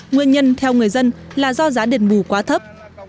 nguyên nhân theo người dân là do giá đền bù quá thấp